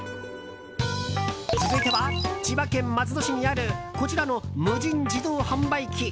続いては千葉県松戸市にあるこちらの無人自動販売機。